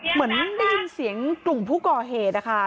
เหมือนได้ยินเสียงกลุ่มผู้ก่อเหตุนะคะ